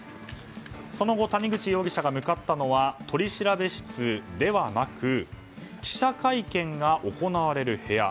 その後谷口容疑者が向かったのは取調室ではなく記者会見が行われる部屋。